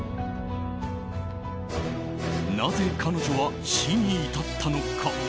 なぜ彼女は死に至ったのか。